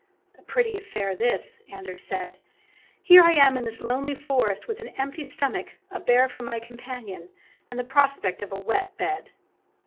"A pretty affair this !" Anders said. " Here I am in this lonely forest with an empty stomach, a bear for my companion, and the prospect of a wet bed."